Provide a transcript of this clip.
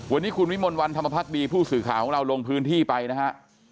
วันนี้คุณวิมลวันธรรมพักดีผู้สื่อข่าวของเราลงพื้นที่ไปนะฮะ